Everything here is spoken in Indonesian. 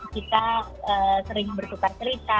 kita sering bercerita